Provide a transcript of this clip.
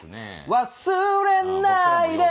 「忘れないで」